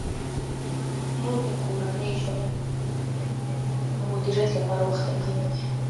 مور د کورني ژوند د مدیریت لپاره وخت تنظیموي.